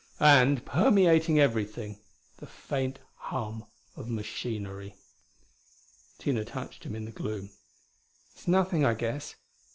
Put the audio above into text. And, permeating everything, the faint hum of machinery. Tina touched him in the gloom. "It's nothing, I guess.